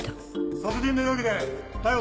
殺人の容疑で逮捕する